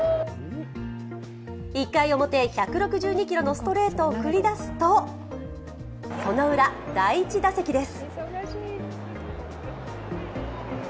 １回表１６２ｋｍのストレートを繰り出すとそのウラ、第１打席です。